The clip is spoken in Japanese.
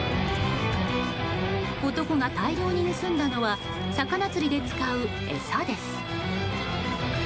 男が大量に盗んだのは魚釣りで使う餌です。